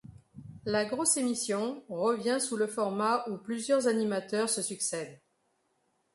La Grosse Émission revient sous le format où plusieurs animateurs se succèdent.